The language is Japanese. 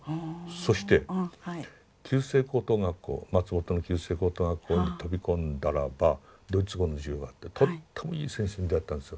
そして旧制高等学校松本の旧制高等学校に飛び込んだらばドイツ語の授業があってとってもいい先生に出会ったんですよ。